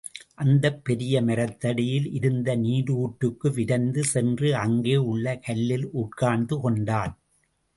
அந்த பெரிய மரத்தடியில் இருந்த நீருற்றுக்கு விரைந்து சென்று அங்கே உள்ள கல்லில் உட்கார்ந்து கொண்டான்.